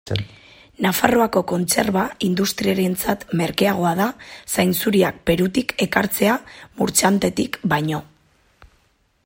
Nafarroako kontserba industriarentzat merkeagoa da zainzuriak Perutik ekartzea Murchantetik baino.